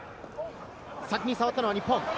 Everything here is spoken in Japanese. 先に触ったのは日本！